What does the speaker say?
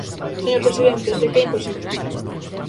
Señor presidente, é que é imposible.